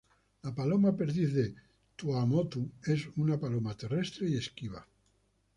La paloma perdiz de Tuamotu es una paloma terrestre y esquiva.